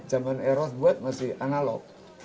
zaman eros buat masih analog